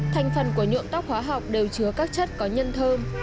thành phần của nhuộm tóc hóa học đều chứa các chất có nhân thơm